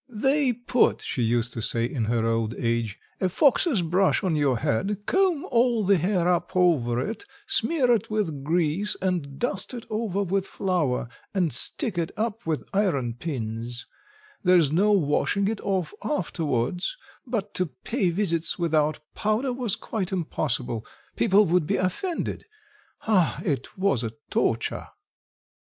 "They put," she used to say in her old age, "a fox's brush on your head, comb all the hair up over it, smear it with grease, and dust it over with flour, and stick it up with iron pins, there's no washing it off afterwards; but to pay visits without powder was quite impossible people would be offended. Ah, it was a torture!"